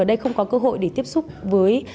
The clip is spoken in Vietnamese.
ở đây không có cơ hội để tiếp xúc với